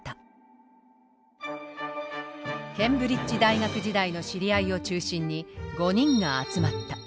ケンブリッジ大学時代の知り合いを中心に５人が集まった。